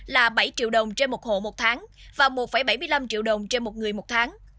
là bảy triệu đồng trên một hộ một tháng và một bảy mươi năm triệu đồng trên một người một tháng